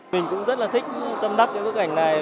mình cũng rất là thích tâm đắc cái bức ảnh này